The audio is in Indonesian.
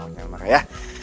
jangan marah ya